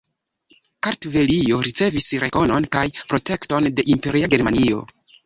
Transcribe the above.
Kartvelio ricevis rekonon kaj protekton de Imperia Germanio.